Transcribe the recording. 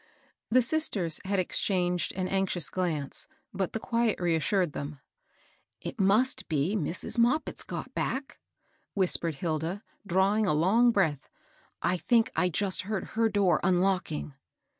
The sisters had exchanged an anxious glance, but the quiet reassured them. '^ It must be Mrs. Moppit's got back," whisp^edi Hilda, drawing a long breath. " I think I just heard her door unlocking."